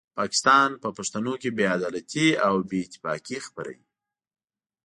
پاکستان په پښتنو کې بې عدالتي او بې اتفاقي خپروي.